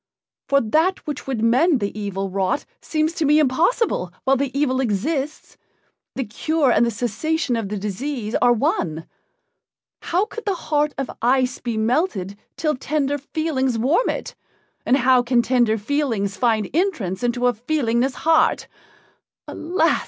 For that which would mend the evil wrought seems to me impossible while the evil exists the cure and the cessation of the disease are one. How could the heart of ice be melted till tender feelings warm it, and how can tender feelings find entrance into a feelingless heart? Alas!